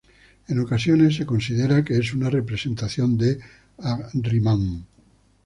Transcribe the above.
En ocasiones se considera que es una representación de Ahriman.